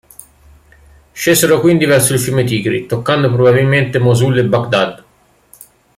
Scesero quindi verso il fiume Tigri, toccando probabilmente Mosul e Baghdad.